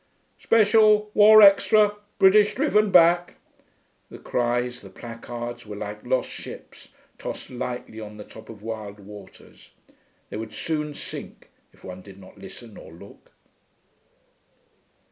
'Special. War Extra. British driven back....' The cries, the placards, were like lost ships tossed lightly on the top of wild waters. They would soon sink, if one did not listen or look....